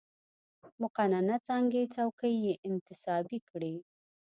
مقننه څانګې څوکۍ یې انتصابي کړې.